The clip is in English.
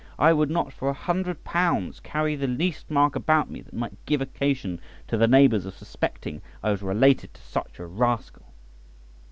I would not for a hundred pounds carry the least mark about me that might give occasion to the neighbours of suspecting I was related to such a rascal."